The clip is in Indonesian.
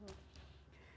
bisa mengurus banyak anak